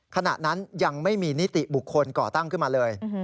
ขณะนั้นยังไม่มีนิติบุคคลก่อตั้งขึ้นมาเลย